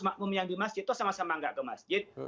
makmum yang di masjid itu sama sama nggak ke masjid